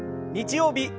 日曜日